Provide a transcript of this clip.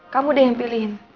kamu deh yang pilihin